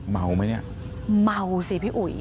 เมาไหมเนี่ยเมาสิพี่อุ๋ย